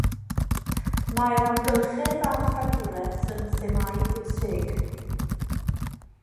Mae'r amgylchedd a chadwraeth yn themâu pwysig.